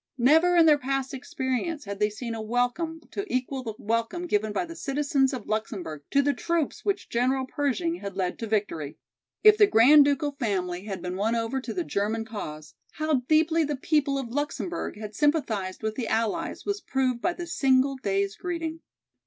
Never in their past experience had they seen a welcome to equal the welcome given by the citizens of Luxemburg to the troops which General Pershing had led to victory. If the Grand Ducal family had been won over to the German cause, how deeply the people of Luxemburg had sympathized with the allies was proved by this single day's greeting.